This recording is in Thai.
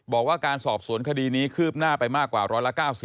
บอกว่าการสอบสวนคดีนี้คืบหน้าไปมากกว่า๑๙๐